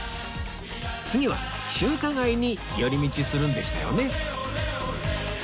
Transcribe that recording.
次は中華街に寄り道するんでしたよね